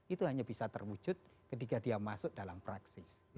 itu hanya bisa terwujud ketika dia masuk dalam praksis